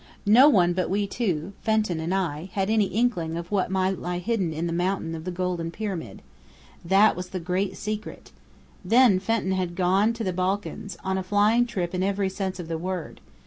No one but we two Fenton and I had any inkling of what might lie hidden in the Mountain of the Golden Pyramid. That was the great secret! Then Fenton had gone to the Balkans, on a flying trip in every sense of the word.